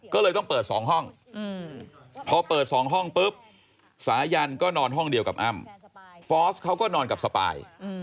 ก็เลยต้องเปิด๒ห้องพอเปิด๒ห้องปุ๊บสายันก็นอนห้องเดียวกับอ้ำฟอสเขาก็นอนกับสปาย